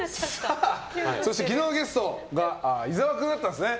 そして昨日のゲストが伊沢君だったんですね。